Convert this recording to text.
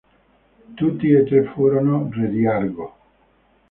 Tutti e tre furono re di Argo.